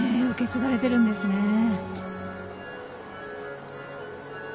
受け継がれてるんですね。